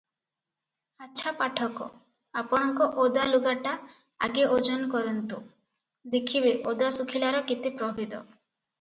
ଆଛା ପାଠକ, ଆପଣଙ୍କ ଓଦା ଲୁଗାଟା ଆଗେ ଓଜନ କରନ୍ତୁ, ଦେଖିବେ ଓଦା ଶୁଖିଲାର କେତେ ପ୍ରଭେଦ ।